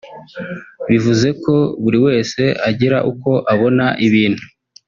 bivuze ko buri wese agira uko abona ibintu